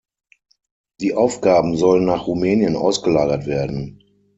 Die Aufgaben sollen nach Rumänien ausgelagert werden.